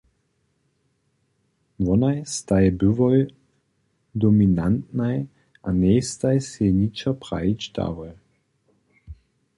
Wonaj staj byłoj dominantnaj a njejstaj sej ničo prajić dałoj.